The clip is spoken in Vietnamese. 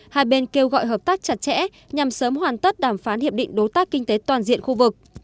hai bên kêu gọi hợp tác chặt chẽ nhằm sớm hoàn tất đàm phán hiệp định đối tác kinh tế toàn diện khu vực